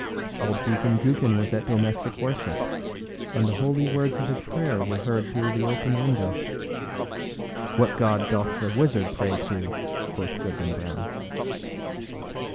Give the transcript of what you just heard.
Old Deacon Gookin was at domestic worship, and the holy words of his prayer were heard through the open window. âWhat God doth the wizard pray to?â quoth Goodman Brown.